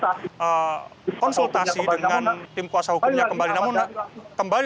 kesempatan kepada ahmad dhani lakukan konsultasi konsultasi dengan tim kuasa hukumnya kembali kembali